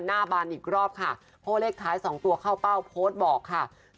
หน้าบานอีกรอบค่ะเพราะเลขท้าย๒ตัวเข้าเป้าโพสต์บอกค่ะ